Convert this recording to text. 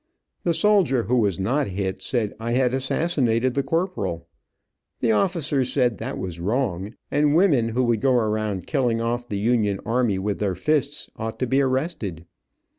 The soldier who was not hit said I had assassinated the corporal. The officer said that was wrong, and women who would go around killing off the Union army with their fists ought to be arrested.